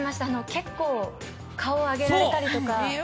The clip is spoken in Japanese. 結構、顔上げられたりとか。